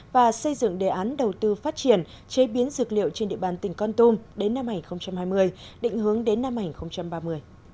và xây dựng đề án đầu tư phát triển chế biến dược liệu trên địa bàn tỉnh con tôm đến năm hai nghìn hai mươi định hướng đến năm hai nghìn ba mươi